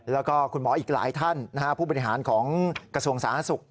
แล้วก็คุณหมออีกหลายท่านผู้บริหารของกระทรวงสาธารณสุข